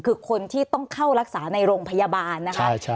คือคนที่ต้องเข้ารักษาในโรงพยาบาลนะคะ